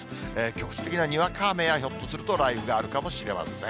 局地的なにわか雨や、ひょっとすると雷雨があるかもしれません。